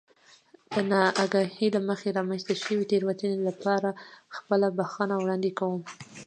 د نااګاهۍ له مخې رامنځته شوې تېروتنې لپاره خپله بښنه وړاندې کوم.